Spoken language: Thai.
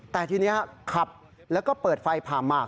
แต่ทีนี้ขับแล้วก็เปิดไฟผ่าหมาก